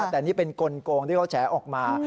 แต่นี่เป็นกลงที่เขาแฉออกมา